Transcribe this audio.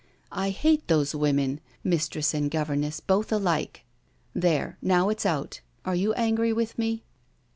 I hate those women, mistress and governess, both alike. There! now it's out. Are you angry with me?"